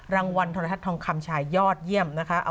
รางวัลโทรทัศน์ทองคำชายยอดเยี่ยมนะคะ